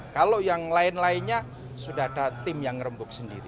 kalau yang lain lainnya sudah ada tim yang rembuk sendiri